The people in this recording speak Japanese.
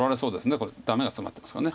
これダメがツマってますから。